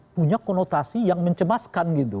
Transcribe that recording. punya konotasi yang mencemaskan gitu